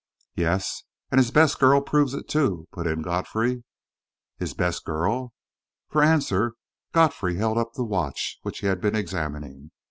"Yes and his best girl proves it, too," put in Godfrey. "His best girl?" For answer, Godfrey held up the watch, which he had been examining.